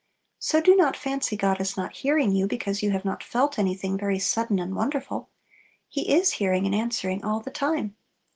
So do not fancy God is not hearing you because you have not felt anything very sudden and wonderful. He is hearing and answering all the time.